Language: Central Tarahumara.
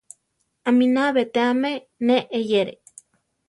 Aminá betéame ne eyéere.